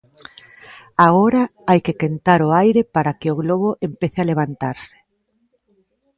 Agora hai que quentar o aire para que o globo empece a levantarse.